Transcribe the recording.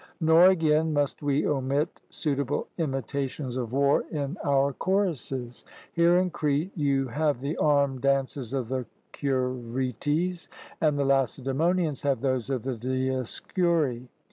Nor, again, must we omit suitable imitations of war in our choruses; here in Crete you have the armed dances of the Curetes, and the Lacedaemonians have those of the Dioscuri.